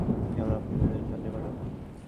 আমরা আপনাদের জন্য সাহায্য পাঠাবো।